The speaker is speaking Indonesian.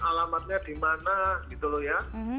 alamatnya di mana gitu loh ya